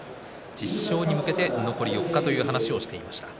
１０勝に向けて残り４日という話をしていました。